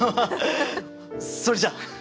それじゃ。